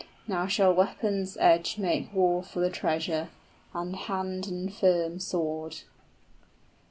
Now shall weapon's edge make war for the treasure, And hand and firm sword."